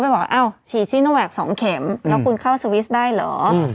ไปบอกว่าอ้าวสองเข็มแล้วคุณเข้าสวีสบันดาลัง